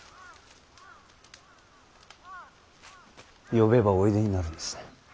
呼べばおいでになるんですね。